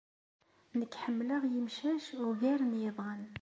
Nekk ḥemmleɣ imcac ugar n yiḍan.